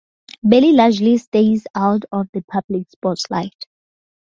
Belle largely stays out of the public spotlight.